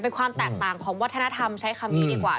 เป็นความแตกต่างของวัฒนธรรมใช้คำนี้ดีกว่า